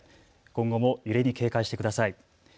今後も揺れに警戒してください。